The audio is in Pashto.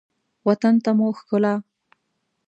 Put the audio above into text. وطن ته مو ښکلا